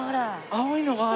青いのがある。